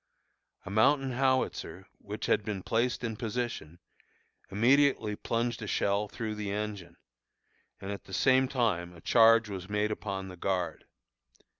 A mountain howitzer, which had been placed in position, immediately plunged a shell through the engine, and at the same time a charge was made upon the guard.